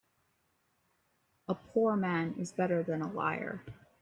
A poor man is better than a liar.